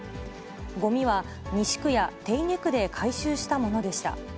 ごみは西区や手稲区で回収したものでした。